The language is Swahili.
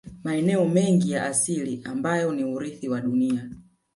Maeneo mengi ya asili ambayo ni urithi wa dunia